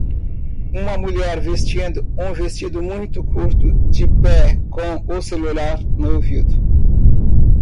Uma mulher vestindo um vestido muito curto, de pé com o celular no ouvido.